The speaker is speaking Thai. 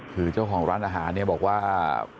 คือเจ้าของร้านอาหารเนี่ยบอกว่า